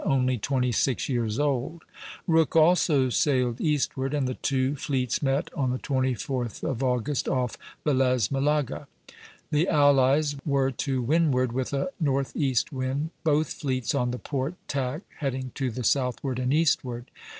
only twenty six years old. Rooke also sailed eastward, and the two fleets met on the 24th of August off Velez Malaga. The allies were to windward with a northeast wind, both fleets on the port tack heading to the southward and eastward.